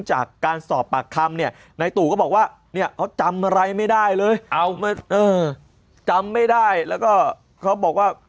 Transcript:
ใช่อยู่บ้านเฉยครับ